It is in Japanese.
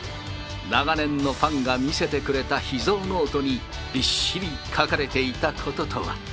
長年のファンが見せてくれた秘蔵ノートに、びっしり書かれていたこととは。